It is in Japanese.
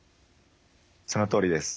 そのとおりです。